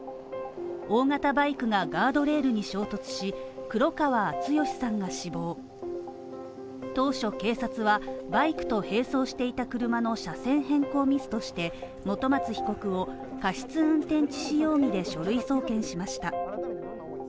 大型バイクがガードレールに衝突し、黒川敦愛さんが死亡当初警察はバイクと並走していた車の車線変更ミスとして本松被告を過失運転致死容疑で書類送検しました。